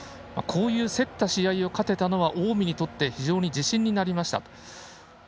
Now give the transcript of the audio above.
こういう競った試合を勝てたのは近江にとって非常に自信になりましたと。